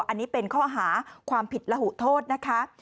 อันนี้เป็นข้อหาความผิดระหุโทษนะคะ